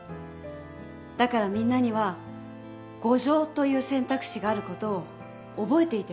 だからみんなには互譲という選択肢があることを覚えていてほしい。